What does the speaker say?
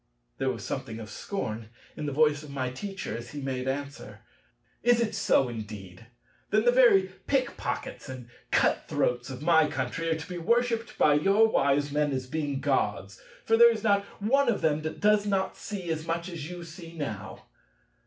There was something of scorn in the voice of my Teacher as he made answer: "is it so indeed? Then the very pick pockets and cut throats of my country are to be worshipped by your wise men as being Gods: for there is not one of them that does not see as much as you see now.